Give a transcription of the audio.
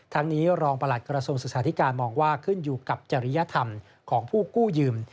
ทั้งนี้รองประหลัดกระทรวงศึกษาธิการมองว่าขึ้นอยู่กับจริยธรรมของผู้กู้ยืม